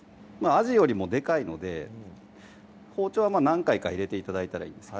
あじよりもでかいので包丁は何回か入れて頂いたらいいです